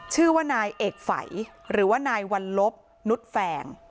ชื่อว่านายเอกฝัยหรือว่านายวัลลบนุษย์แฟง